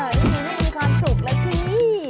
เฮ่ยดาวก็มีความสุขฯกร์สี